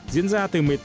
diễn ra từ một mươi tám